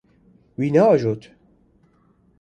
Wî neajot.